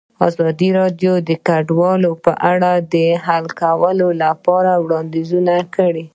ازادي راډیو د کډوال په اړه د حل کولو لپاره وړاندیزونه کړي.